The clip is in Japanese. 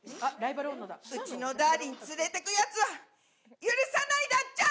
うちのダーリン連れてくやつは、許さないだっちゃ。